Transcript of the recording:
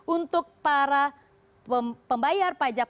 untuk para pembayar pajak